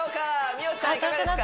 美桜ちゃんいかがですか？